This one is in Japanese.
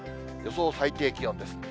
予想最低気温です。